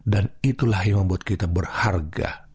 dan itulah yang membuat kita berharga